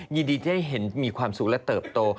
ยินดีจะได้เห็นมีความสุขและเติบโต